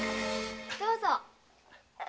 どうぞ。